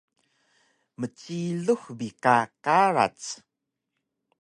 Mcilux bi ka karac